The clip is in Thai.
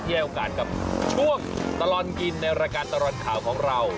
ชั่วโกนกินในละการตลอดข่าวของเรา